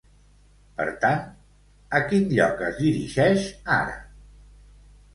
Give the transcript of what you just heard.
Per tant, a quin lloc es dirigeix ara?